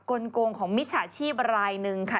ลงของมิจฉาชีพรายหนึ่งค่ะ